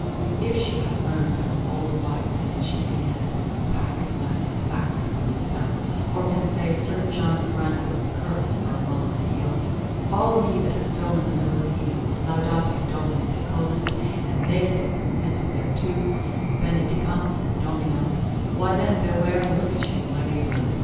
if she hath learned of an old wife in a chimney end, pax, max, fax, for a spell, or can say Sir John Grantham's curse for a nuller's eels 'All ye that have stolen the miller's eels, Laudate Dominum de Cœlis, and they that have consented thereto, Benedicamus Domino,' why then, beware, look about you, my neighbours.